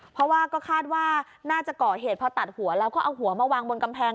เพราะว่าก็คาดว่าน่าจะก่อเหตุพอตัดหัวแล้วก็เอาหัวมาวางบนกำแพง